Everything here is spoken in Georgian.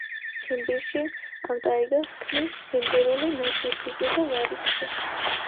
ციმბირში ამ ტაიგას ქმნის ციმბირული ნაძვი, ფიჭვი და ლარიქსი.